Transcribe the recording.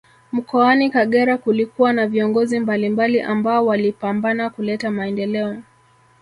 Mkoani kagera kulikuwa na viongozi mbalimbali ambao walipambana kuleta maendeleo